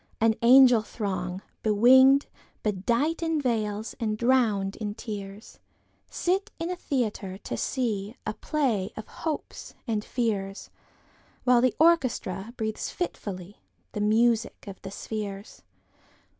An angel throng, bewinged, bedightIn veils, and drowned in tears, Sit in a theatre, to seeA play of hopes and fears, While the orchestra breathes fitfullyThe music of the spheres.